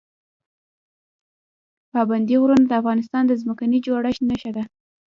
پابندي غرونه د افغانستان د ځمکې د جوړښت نښه ده.